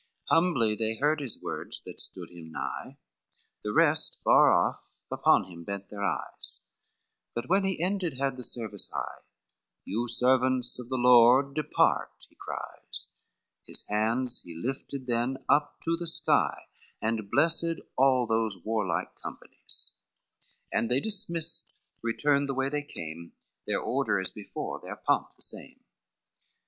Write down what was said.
XV Humbly they heard his words that stood him nigh, The rest far off upon him bent their eyes, But when he ended had the service high, "You servants of the Lord depart," he cries: His hands he lifted then up to the sky, And blessed all those warlike companies; And they dismissed returned the way they came, Their order as before, their pomp the same.